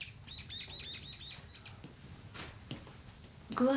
具合